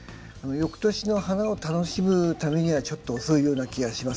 よくとしの花を楽しむためにはちょっと遅いような気がします。